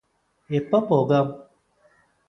എപ്പോ പോകാം?